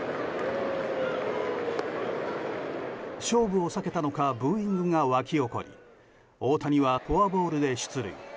勝負を避けたのかブーイングが沸き起こり大谷はフォアボールで出塁。